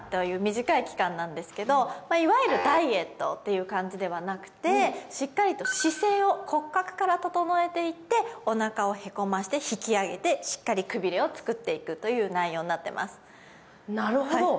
いわゆるダイエットっていう感じではなくてしっかりと姿勢を骨格から整えていってお腹をへこまして引き上げてしっかりくびれを作っていくという内容になってます